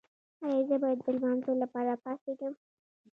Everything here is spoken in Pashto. ایا زه باید د لمانځه لپاره پاڅیږم؟